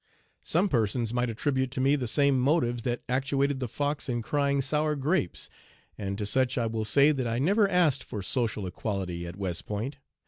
Some persons might attribute to me the same motives that actuated the fox in crying 'sour grapes,' and to such I will say that I never asked for social equality at West Point.